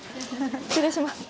失礼します。